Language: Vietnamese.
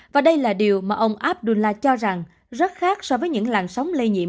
và đây là điều mà ông abdullah cho rằng rất khác so với những làn sóng lây nhiễm